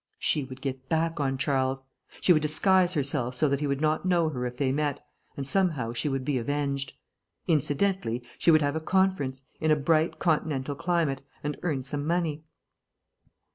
She would get back on Charles. She would disguise herself so that he would not know her if they met, and somehow she would be avenged. Incidentally, she would have a conference, in a bright continental climate, and earn some money.